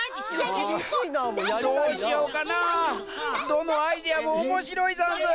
どのアイデアもおもしろいざんす！